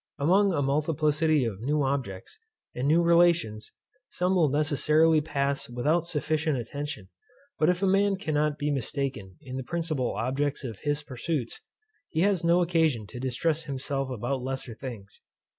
Among a multiplicity of new objects, and new relations, some will necessarily pass without sufficient attention; but if a man be not mistaken in the principal objects of his pursuits, he has no occasion to distress himself about lesser things.